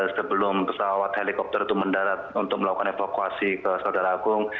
sebelum pesawat helikopter itu mendarat untuk melakukan evakuasi ke saudara agung